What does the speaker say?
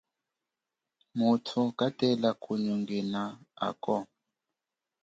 Mutu katela kunyongena ako.